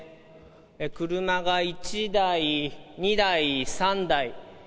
車が１台、２台、３台。